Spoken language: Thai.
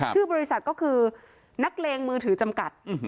ชื่อบริษัทก็คือนักเลงมือถือจำกัด